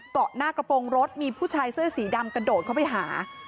เกาะหน้ากระโปรงรถมีผู้ชายเสื้อสีดำกระโดดเข้าไปหา